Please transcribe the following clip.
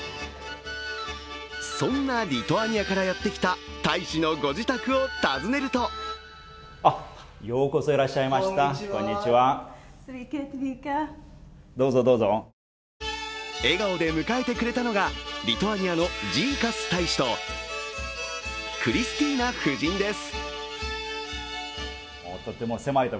そんなリトアニアからやってきた大使のご自宅を訪ねると笑顔で迎えてくれたのがリトアニアのジーカス大使とクリスティーナ夫人です。